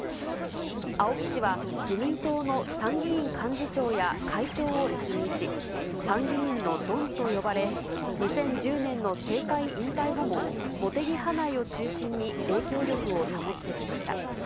青木氏は、自民党の参議院幹事長や会長を歴任し、参議院のドンと呼ばれ、２０１０年の政界引退後も、茂木派内を中心に影響力を保ってきました。